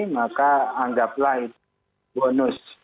maka anggaplah itu bonus